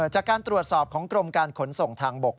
จากการตรวจสอบของกรมการขนส่งทางบก